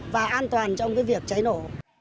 và an toàn trong cái việc cháy nổ